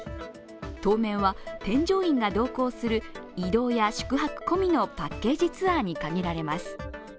当面は添乗員が同行する移動や宿泊込みのパッケージツアーに限られます。